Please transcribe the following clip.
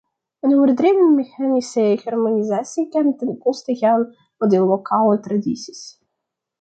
Een overdreven mechanische harmonisatie kan ten koste gaan van de lokale tradities.